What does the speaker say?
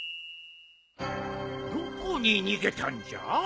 どこに逃げたんじゃ？